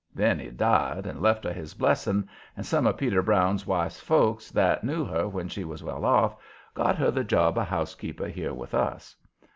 Then he died and left her his blessing, and some of Peter Brown's wife's folks, that knew her when she was well off, got her the job of housekeeper here with us.